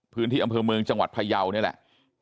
พื้นที่อำเภอเมืองจังหวัดพยาวนี่แหละ